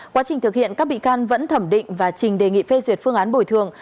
quá trình thực hiện các bị can vẫn thẩm định và trình đề nghị phê duyệt phương án bồi thường